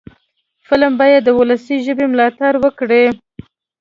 فلم باید د ولسي ژبې ملاتړ وکړي